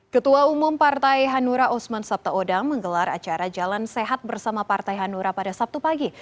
ketua umum partai hanura usman sabtaodang menggelar acara jalan sehat bersama partai hanura pada sabtu pagi